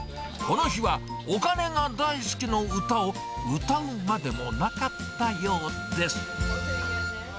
この日は、お金が大好きの歌を、歌うまでもなかったようです。